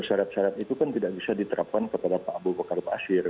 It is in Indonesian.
syarat syarat itu kan tidak bisa diterapkan kepada pak abu bakar basir